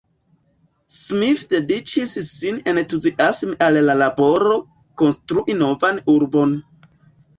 Smith dediĉis sin entuziasme al la laboro konstrui novan urbon.